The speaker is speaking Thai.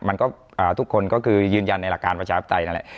มันก็ทุกคนก็คือยืนยันในหลักการประชารัฐใต้นั่นแหละ